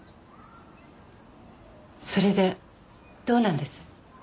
それでどうなんです？